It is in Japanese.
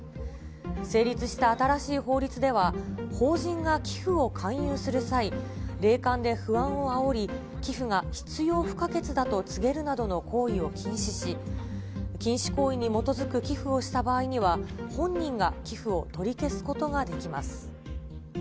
成立した新しい法律では、法人が寄付を勧誘する際、霊感で不安をあおり、寄付が必要不可欠だと告げるなどの行為を禁止し、禁止行為に基づく寄付をした場合には、本人が寄付を取り消すことができます。